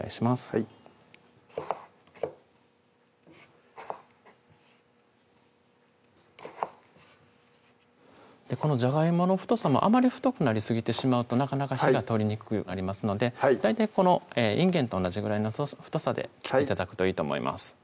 はいこのじゃがいもの太さもあまり太くなりすぎてしまうとなかなか火が通りにくくなりますので大体このいんげんと同じぐらいの太さで切って頂くといいと思います